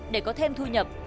để có thêm thu nhập